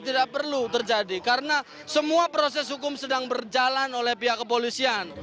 tidak perlu terjadi karena semua proses hukum sedang berjalan oleh pihak kepolisian